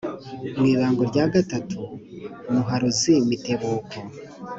mu ibango rya gatatu muharuzi mitebuko;